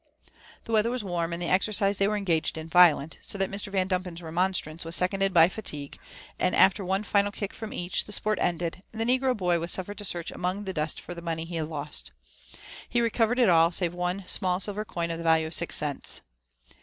The weather was warm, and the exercise they were engaged in violent, so that Mr. Yandumper's remonstrance was seconded by fatigue, and after one final kick from each, the sport ended, and the negro boy was suffered to search among the dust for the money he had lost. He recovered it all except one small silver coin of the value of six cents.